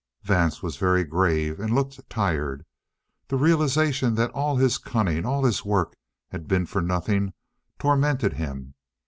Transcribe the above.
Vance was very grave and looked tired. The realization that all his cunning, all his work, had been for nothing, tormented him.